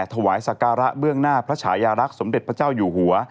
ถวายสการะเบื้องหน้าพระชายารักษ์สมเด็จพระเจ้าอยู่หัว